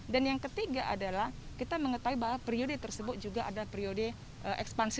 dan yang ketiga adalah kita mengetahui bahwa periode tersebut juga adalah periode ekspansi